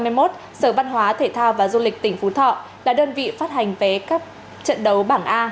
c game ba mươi một sở văn hóa thể thao và du lịch tỉnh phú thọ là đơn vị phát hành vé cấp trận đấu bảng a